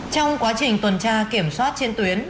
trong quá trình tuần tra kiểm soát trên tuyến